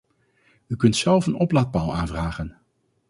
U kunt zelf een oplaadpaal aanvragen.